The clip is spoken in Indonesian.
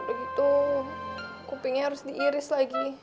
udah gitu kupingnya harus diiris lagi